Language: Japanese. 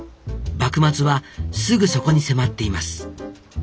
幕末はすぐそこに迫っています。